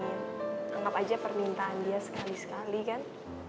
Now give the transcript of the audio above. anggap aja permintaan dia sekali sekali kan